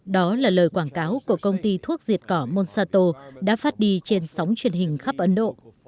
đó là lời quảng cáo của công ty thuốc diệt cỏ monsato đã phát đi trên sóng truyền hình khắp ấn độ